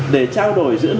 để trao đổi giữa đất công viên